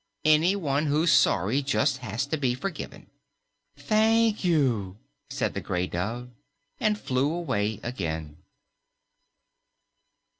Anyone who's sorry just has to be forgiven." "Thank you," said the gray dove, and flew away again.